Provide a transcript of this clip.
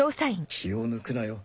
気を抜くなよ。